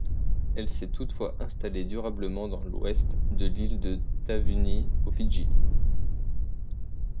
Elle s'est toutefois installée durablement dans l'Ouest de l'île de Taveuni, aux Fidji.